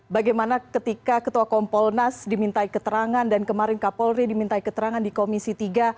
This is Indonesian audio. bagaimana ketika ketua kompolnas dimintai keterangan dan kemarin kapolri dimintai keterangan di komisi tiga